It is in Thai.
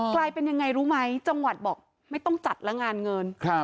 กลายเป็นยังไงรู้ไหมจังหวัดบอกไม่ต้องจัดแล้วงานเงิน